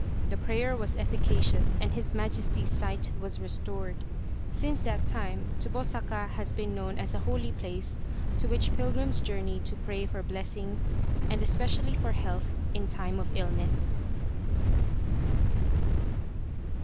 The prayer was efficacious and His Majesty's sight was restored. Since that time Tsubosaka has been known as a holy place to which pilgrims journey to pray for blessings and especially for health in time of illness.